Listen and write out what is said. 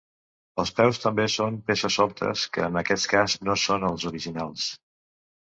Els peus també són peces soltes, que en aquest cas, no són els originals.